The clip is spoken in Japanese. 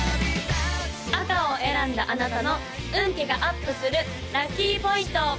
赤を選んだあなたの運気がアップするラッキーポイント！